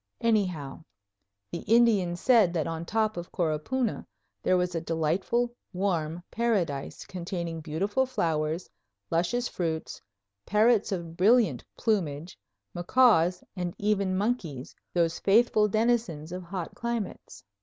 Anyhow the Indians said that on top of Coropuna there was a delightful, warm paradise containing beautiful flowers, luscious fruits, parrots of brilliant plumage, macaws, and even monkeys, those faithful denizens of hot climates.